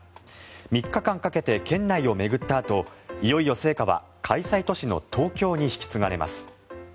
３日間かけて県内を巡ったあといよいよ、聖火は開催都市の東京に引き継がれます。